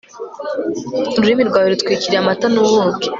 ururimi rwawe rutwikiriye amata n'ubuki